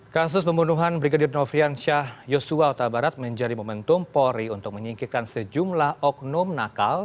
kasus pembunuhan brigadir noviansyah yosua otabarat menjadi momentum polri untuk menyingkirkan sejumlah oknum nakal